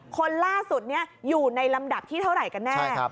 คนล่าสุดนี้อยู่ในลำดับที่เท่าไหร่กันแน่